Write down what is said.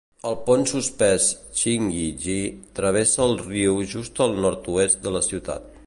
El pont suspès Chinyingi travessa el riu just al nord-oest de la ciutat.